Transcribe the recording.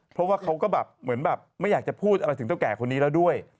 เพราะว่าเขาก็แบบเหมือนแบบไม่อยากจะพูดอะไรถึงเท่าแก่คนนี้แล้วด้วย